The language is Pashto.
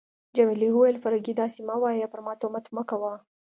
جميلې وويل: فرګي، داسي مه وایه، پر ما تهمت مه کوه.